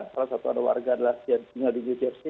salah satu ada warga adalah yang tinggal di new jersey